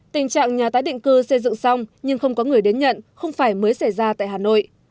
tình trạng nhà tái định cư xây dựng xong nhưng không có người đến nhận không phải mới xảy ra tại hà nội